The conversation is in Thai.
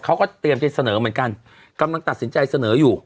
เขาก็เตรียมจะเสนอเหมือนกันกำลังตัดสินใจเสนออยู่